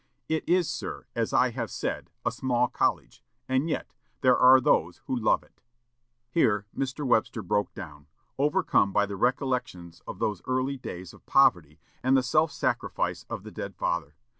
"It is, sir, as I have said, a small college. And yet there are those who love it " Here Mr. Webster broke down, overcome by the recollections of those early days of poverty, and the self sacrifice of the dead father.